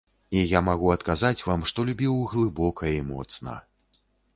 І я магу адказаць вам, што любіў глыбока і моцна.